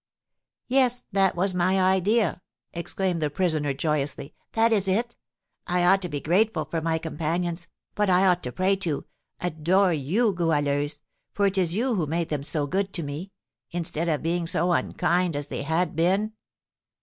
"Yes, that is my idea!" exclaimed the prisoner, joyously. "That is it! I ought to be grateful to my companions, but I ought to pray to, adore you, Goualeuse, for it is you who made them so good to me, instead of being so unkind as they had been."